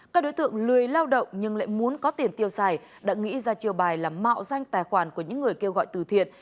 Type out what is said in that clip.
các đối tượng lười lao động nhưng lại muốn có tiền tiêu xài đã nghĩ ra chiều bài là mạo danh tài khoản của những người kêu gọi từ thiện